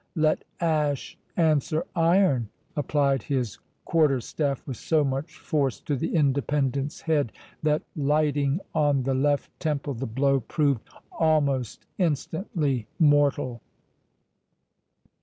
Let ash answer iron," applied his quarterstaff with so much force to the Independent's head, that lighting on the left temple, the blow proved almost instantly mortal.